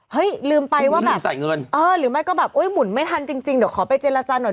เฮ้ยลืมไปว่าแบบหรือไม่ก็แบบหมุนไม่ทันจริงเดี๋ยวขอไปเจรจาหน่อย